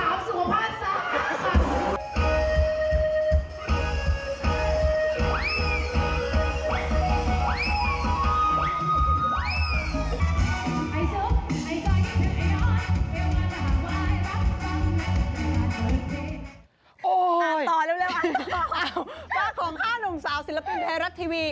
ว่าของข้านุ่มสาวศิลปินแพร่รัชทีวี